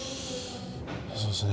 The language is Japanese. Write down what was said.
そうですね。